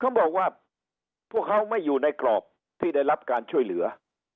เขาบอกว่าพวกเขาไม่อยู่ในกรอบที่ได้รับการช่วยเหลือ